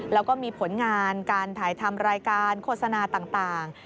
แล้วก็มีผลงานการถ่ายทำรายการโฆษณาต่าง